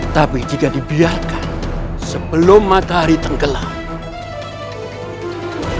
tapi jika dibiarkan sebelum matahari tenggelam